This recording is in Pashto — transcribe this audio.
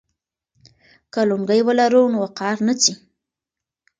که لونګۍ ولرو نو وقار نه ځي.